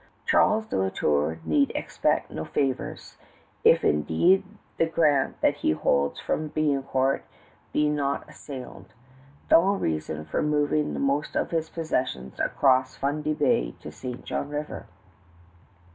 Charles de La Tour need expect no favors, if indeed the grant that he holds from Biencourt be not assailed. Double reason for moving the most of his possessions across Fundy Bay to St. John River.